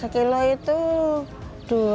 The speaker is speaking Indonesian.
satu kg itu rp dua